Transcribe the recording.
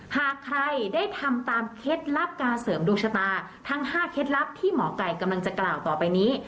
หากใครได้ทำตามเคล็ดลับการเสริมดวงชะตาทั้ง๕เคล็ดลับที่หมอไก่กำลังจะกล่าวต่อไปนี้